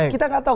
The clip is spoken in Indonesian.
kita enggak tahu